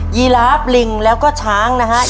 ีราฟลิงแล้วก็ช้างนะฮะ